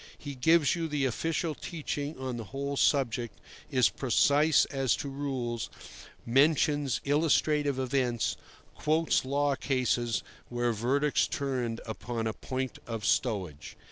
He gives you the official teaching on the whole subject, is precise as to rules, mentions illustrative events, quotes law cases where verdicts turned upon a point of stowage.